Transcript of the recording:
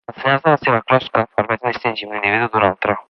Els senyals de la seva closca permeten distingir un individu d'un altre.